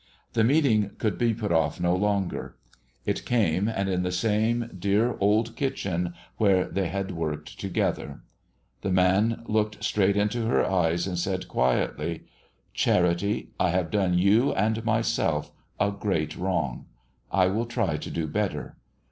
The meeting could be put off no longer. It came, and in the same dear old kitchen where they had worked together. The man looked straight into her eyes and said, quietly: "Charity, I have done you and myself a great wrong. I shall try to do better.